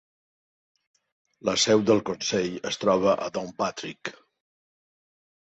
La seu del consell es troba a Downpatrick.